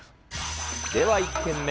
では１軒目。